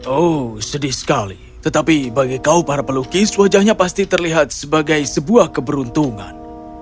oh sedih sekali tetapi bagi kaum para pelukis wajahnya pasti terlihat sebagai sebuah keberuntungan